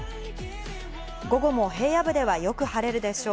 午後も平野部ではよく晴れるでしょう。